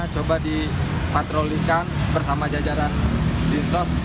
coba dipatrolikan bersama jajaran dinsos